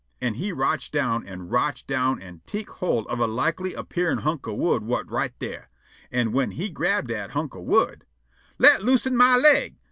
An' he rotch' down an' rotch' down an' tek' hold of a likely appearin' hunk o' wood whut right dar. An' whin he grab' dat hunk of wood "_Let loosen my leg!